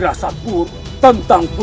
ramadhan mati di tangan